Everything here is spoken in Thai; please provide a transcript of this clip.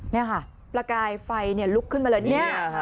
นี่ค่ะประกายไฟลุกขึ้นมาเลยเนี่ย